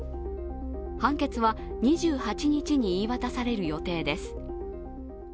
判決は２８日に言い渡される予定です。